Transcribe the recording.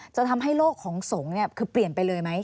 จะทำให้โลกของสงฆ์คือเปลี่ยนไปเลยไหม